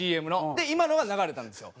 で今のが流れたんですよ。